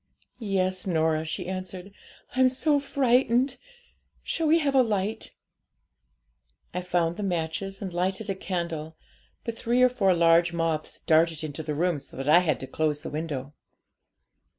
'"Yes, Norah," she answered. "I'm so frightened; shall we have a light?" 'I found the matches and lighted a candle; but three or four large moths darted into the room, so that I had to close the window.